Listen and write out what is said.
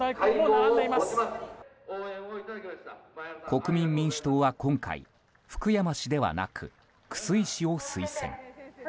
国民民主党は今回福山氏ではなく楠井氏を推薦。